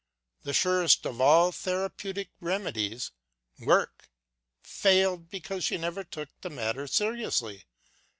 The surest of all therapeutic re medies, work, failed because she never took the matter seriously.